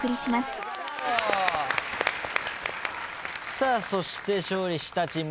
さあそして勝利したチーム右團